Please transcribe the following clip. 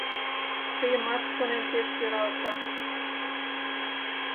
Тыйымат чонем пеш йӧралта